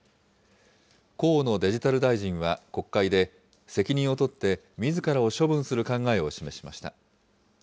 河野デジタル大臣は国会で、責任を取ってみずからを処分する考えを示しました。